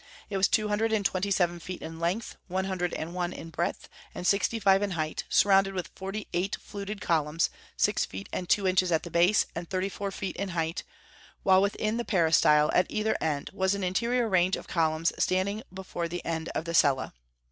It was two hundred and twenty seven feet in length, one hundred and one in breadth, and sixty five in height, surrounded with forty eight fluted columns, six feet and two inches at the base and thirty four feet in height, while within the peristyle, at either end, was an interior range of columns standing before the end of the cella.